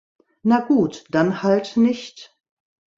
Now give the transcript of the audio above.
Na gut, dann halt nicht!